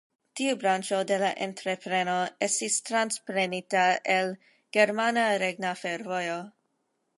Tiu branĉo de la entrepreno estis transprenita el "Germana Regna Fervojo".